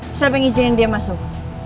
siapa yang izinin dia masuk